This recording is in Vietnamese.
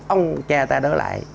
ông cha ta đó lại